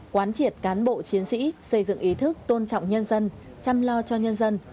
quán triệt cán bộ chiến sĩ xây dựng ý thức tôn trọng nhân dân chăm lo cho nhân dân